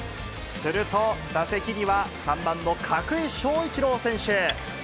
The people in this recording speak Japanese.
すると、打席には３番の角井翔一朗選手。